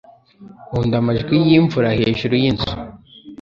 Nkunda amajwi yimvura hejuru yinzu.